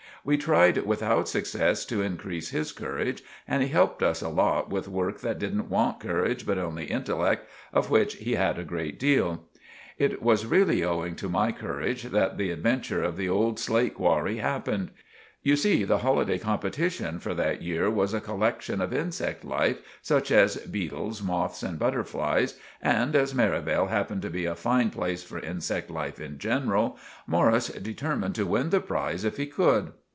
We tried without success to increese his courage, and he helped us a lot with work that didn't want courage but only intelleck, of which he had a grate deal. It was reely owing to my courage that the adventure of the old slate qwarry happened. You see the holiday competishun for that year was a colleckshun of insect life, such as beetles, moths and butterflies, and as Merivale happened to be a fine place for insect life in general, Morris determined to win the prize if he could.